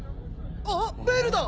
あっベルだ！